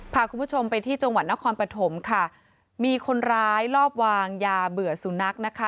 พาคุณผู้ชมไปที่จังหวัดนครปฐมค่ะมีคนร้ายลอบวางยาเบื่อสุนัขนะคะ